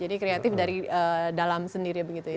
jadi kreatif dari dalam sendiri ya begitu ya